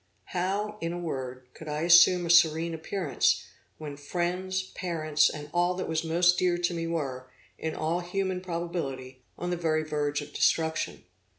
How, in a word, could I assume a serene appearance, when friends, parents and all that was most dear to me were, in all human probability, on the very verge of destruction?